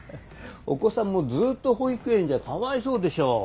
お子さんもずっと保育園じゃかわいそうでしょう。